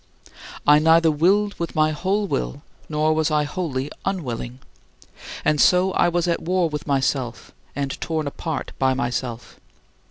I neither willed with my whole will nor was I wholly unwilling. And so I was at war with myself and torn apart by myself.